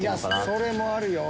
それもあるよ。